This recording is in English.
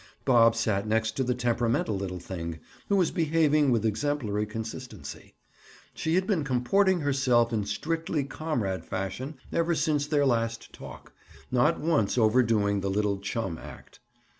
Bob sat next to the temperamental little thing who was behaving with exemplary consistency. She had been comporting herself in strictly comrade fashion ever since their last talk, not once overdoing the little chum act.